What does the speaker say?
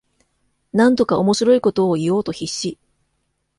なんとか面白いことを言おうと必死